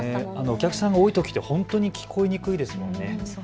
お客さんが多いときで本当に聞こえにくいですもんね。